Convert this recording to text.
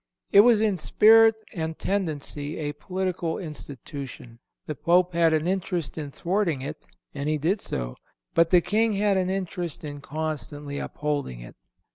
"It was in spirit and tendency a political institution. The Pope had an interest in thwarting it, and he did so; but the King had an interest in constantly upholding it."